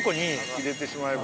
入れてしまえば。